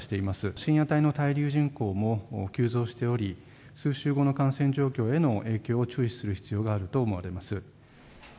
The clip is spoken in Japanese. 深夜帯の滞留人口も急増しており、数週後の感染状況への影響を注視する必要があると思われます。